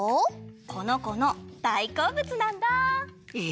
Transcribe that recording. このこのだいこうぶつなんだ。え？